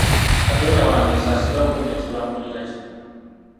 Katonda wange nsaasira omponye ekibambulira kino.